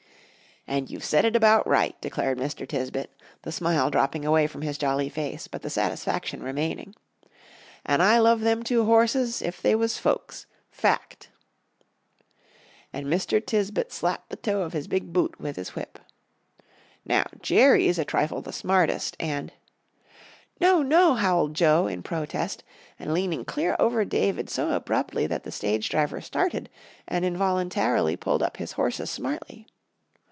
"And you've said it about right," declared Mr. Tisbett, the smile dropping away from his jolly face, but the satisfaction remaining. "And I love them two horses's if they was folks. Fact!" And Mr. Tisbett slapped the toe of his big boot with his whip. "Now Jerry's a trifle the smartest, and " "No! No!" howled Joe, in protest, and leaning clear over David so abruptly that the stage driver started and involuntarily pulled up his horses smartly.